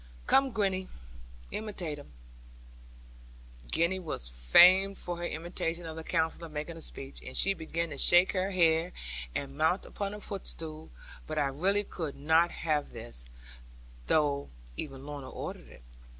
Come, Gwenny, imitate him.' Gwenny was famed for her imitation of the Counsellor making a speech; and she began to shake her hair, and mount upon a footstool; but I really could not have this, though even Lorna ordered it.